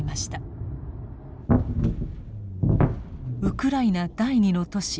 ウクライナ第二の都市